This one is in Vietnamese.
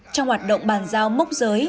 trong hoạt động bàn giao mốc giới